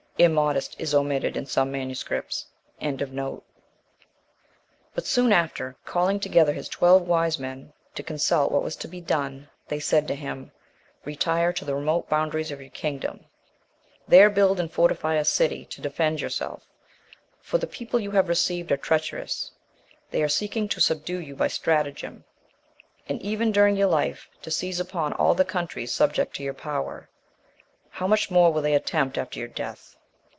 "Immodest" is omitted in some MSS. 40. But soon after, calling together his twelve wise men, to consult what was to be done, they said to him, "Retire to the remote boundaries of your kingdom; there build and fortify a city(1) to defend yourself, for the people you have received are treacherous; they are seeking to subdue you by stratagem, and, even during your life, to seize upon all the countries subject to your power, how much more will they attempt, after your death!"